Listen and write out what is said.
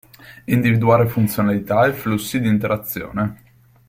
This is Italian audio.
E individuare funzionalità e flussi di interazione.